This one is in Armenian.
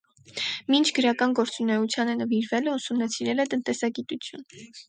Մինչ գրական գործունեությանը նվիրվելը ուսումնասիրել է տնտեսագիտություն։